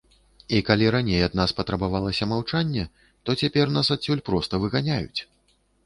І калі раней ад нас патрабавалася маўчанне, то цяпер нас адсюль проста выганяюць.